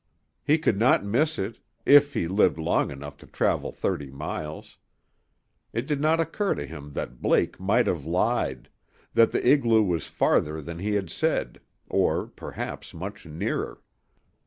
He could not miss it if he lived long enough to travel thirty miles. It did not occur to him that Blake might have lied that the igloo was farther than he had said, or perhaps much nearer.